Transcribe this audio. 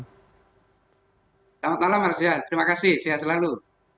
selamat malam mas ya terima kasih sehat selalu